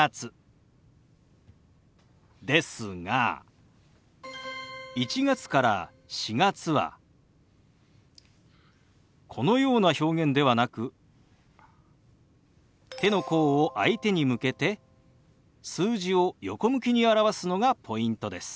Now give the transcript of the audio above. ですが１月から４月はこのような表現ではなく手の甲を相手に向けて数字を横向きに表すのがポイントです。